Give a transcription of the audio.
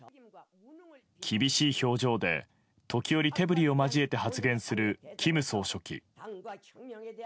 厳しい表情で時折手ぶりを交えて発言する金総書記。